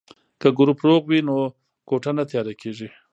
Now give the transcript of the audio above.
که ګروپ روغ وي نو کوټه نه تیاره کیږي.